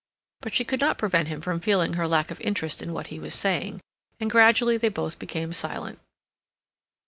But she could not prevent him from feeling her lack of interest in what he was saying, and gradually they both became silent.